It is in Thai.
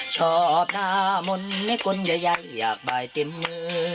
ชอบหน้ามนต์และคนใหญ่อยากบ่ายเต็มมือ